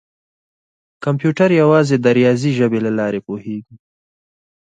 کمپیوټر یوازې د ریاضي ژبې له لارې پوهېږي.